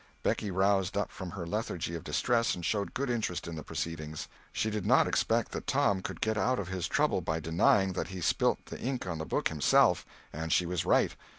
Becky roused up from her lethargy of distress and showed good interest in the proceedings. She did not expect that Tom could get out of his trouble by denying that he spilt the ink on the book himself; and she was right.